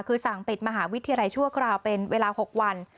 คือสั่งปิดมหาวิทยาลัยชั่วคราวเป็นเวลา๖วัน